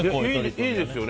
いいですね。